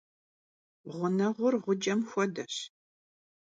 Ğuneğur ğucem xuedeş.